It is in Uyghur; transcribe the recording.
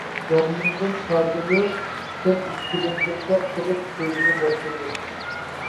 گارنىزون خادىمى سەل ئىككىلەنگەندەك قىلىپ سۆزىنى باشلىدى.